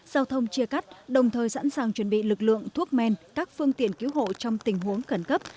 giao thông chia cắt đồng thời sẵn sàng chuẩn bị lực lượng thuốc men các phương tiện cứu hộ trong tình huống khẩn cấp